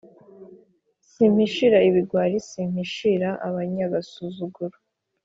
Simpishira ibigwari, simpishira abanyagasuzuguro,